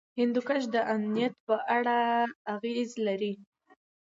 هندوکش د امنیت په اړه اغېز لري.